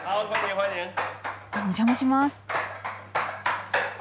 お邪魔します。